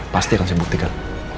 pasti akan saya buktikan